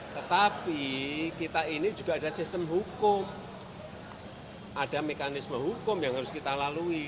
tetapi kita ini juga ada sistem hukum ada mekanisme hukum yang harus kita lalui